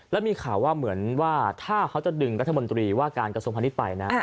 แล้วมีข่าวว่าเหมือนว่าถ้าเขาจะดึงรัฐมนตรีว่าการกระทรวงพาณิชย์ไปนะ